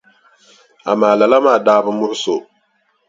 Amaa lala maa daa bi muɣisi o.